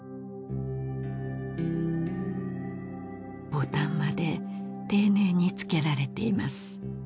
ボタンまで丁寧につけられています